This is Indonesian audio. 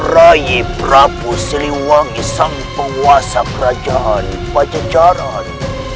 raih prabu siliwangi sang penguasa kerajaan pajajaran